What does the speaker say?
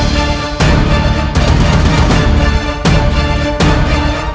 jangan lupa menerima ayah anda